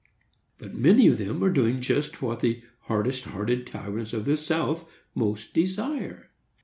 But many of them are doing just what the hardest hearted tyrants of the South most desire.